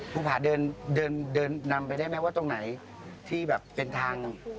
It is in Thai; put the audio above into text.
ภูผาเดินเดินนำไปได้ไหมว่าตรงไหนที่แบบเป็นทาง